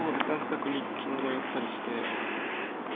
角に金を寄ったりして。